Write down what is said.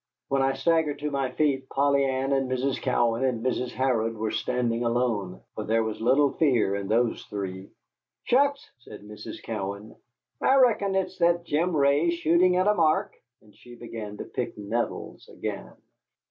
When I staggered to my feet Polly Ann and Mrs. Cowan and Mrs. Harrod were standing alone. For there was little of fear in those three. "Shucks!" said Mrs. Cowan, "I reckon it's that Jim Ray shooting at a mark," and she began to pick nettles again.